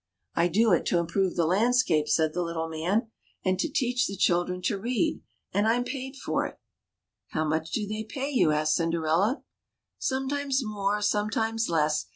" I do it to improve the landscape," said the little man ;" and to teach the children to read ; and Tm paid for it." "How much do they pay you?" asked Cinderella. " Sometimes more, sometimes less.